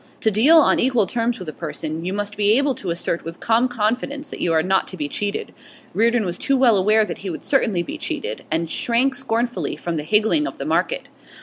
To deal on equal terms with a person you must be able to assert with calm confidence that you are not to be cheated; Reardon was too well aware that he would certainly be cheated, and shrank scornfully from the higgling of the market.